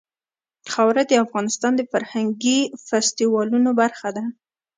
خاوره د افغانستان د فرهنګي فستیوالونو برخه ده.